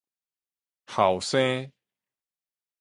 後生